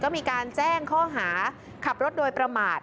ก็มีการแจ้งข้อหาขับรถโดยประมาท